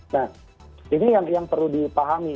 nah ini yang perlu dipahami